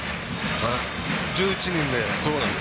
１１人で。